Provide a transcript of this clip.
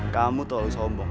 kamu terlalu sombong